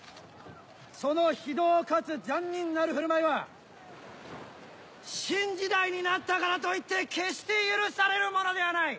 その非道かつ残忍なる振る舞いは新時代になったからといって決して許されるものではない」。